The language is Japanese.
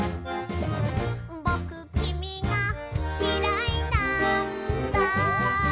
「ぼくきみがきらいなんだ」